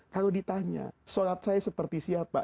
kalau ditanya sholat saya seperti siapa